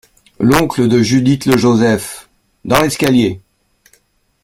L’oncle de Judith LE JOSEPH : Dans l’escalier !